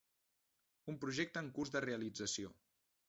Un projecte en curs de realització.